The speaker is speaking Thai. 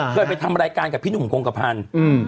เคยไปทำรายการกับพี่หนุ่มโครงกระพันธ์